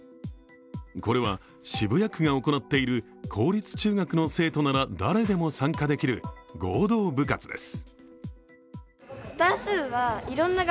これは渋谷区が行っている公立中学の生徒なら誰でも参加できる合同部活です。